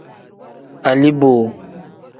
Aliboo.